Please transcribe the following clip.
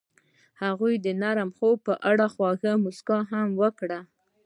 هغې د نرم خوب په اړه خوږه موسکا هم وکړه.